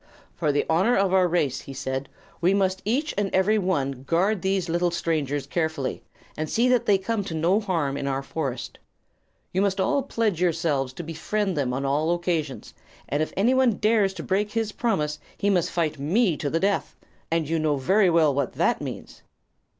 "For the honor of our race," he said, "we must each and every one guard these little strangers carefully, and see that they come to no harm in our forest. You must all pledge yourselves to befriend them on all occasions, and if any one dares to break his promise he must fight with me to the death and you know very well what that means."